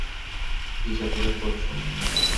কি হিসাবনিকাশ করছ?